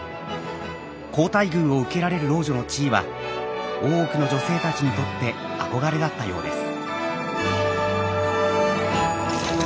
好待遇を受けられる老女の地位は大奥の女性たちにとって憧れだったようです。